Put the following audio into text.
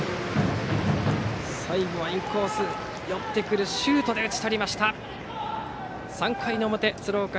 最後はインコースに寄ってくるシュートで打ち取った。